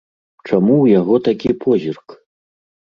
Чаму ў яго такі позірк?